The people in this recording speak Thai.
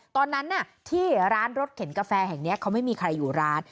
ตอนนั้นที่ร้านรถเข็นกาแฟแห่งนี้เขาไม่มีใครอยู่ร้าน